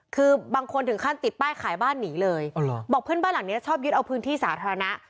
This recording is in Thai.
คือบางคนถึงขั้นติดป้ายขายบ้านหนีเลยบอกเพื่อนบ้านหลังเนี้ยชอบยึดเอาพื้นที่สาธารณะ